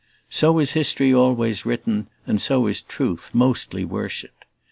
So is history always written, and so is truth mostly worshipped.